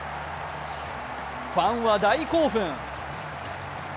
ファンは大興奮。